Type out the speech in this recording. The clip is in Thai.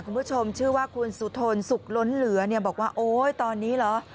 คุณผู้ชมชื่อว่าคุณสุทนสุขล้นเหลือเนี่ยบอกว่าโอ๊ยตอนนี้เหรอ